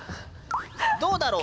どうだろう？